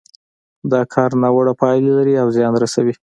دا کار ناوړه پايلې لري او زيان رسوي.